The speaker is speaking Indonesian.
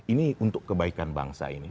ini untuk kebaikan bangsa ini